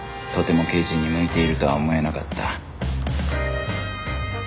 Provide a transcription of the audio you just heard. とても刑事に向いているとは思えなかった